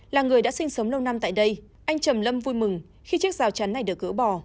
là người đã sinh sống lâu năm tại đây anh trầm lâm vui mừng khi chiếc rào chắn này được gỡ bỏ